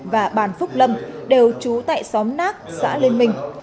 và bàn phúc lâm đều trú tại xóm nác xã liên minh